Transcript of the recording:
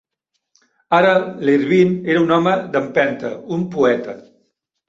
Ara l'Irvine era un home d'empenta, un poeta.